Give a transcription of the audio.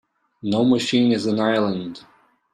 No machine is an island.